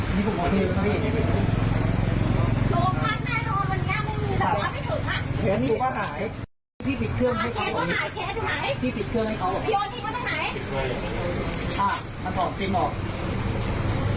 อ่ะมันถอดซิมออก